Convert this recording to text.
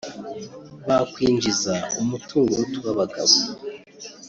bakwinjiza umutungo uruta uw’abagabo